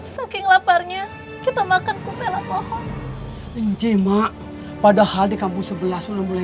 sedangkan kampung kita belum ada